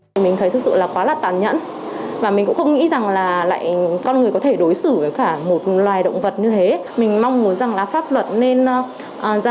mình mong muốn là pháp luật nên dân đem và mọi người có thể lên án những hành động như vậy